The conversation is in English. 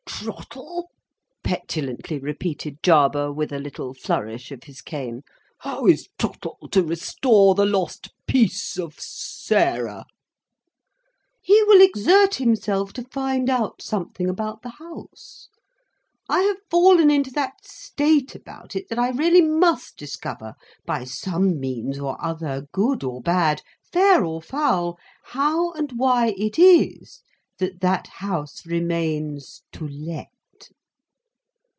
"Trottle," petulantly repeated Jarber, with a little flourish of his cane; "how is Trottle to restore the lost peace of Sarah?" "He will exert himself to find out something about the House. I have fallen into that state about it, that I really must discover by some means or other, good or bad, fair or foul, how and why it is that that House remains To Let."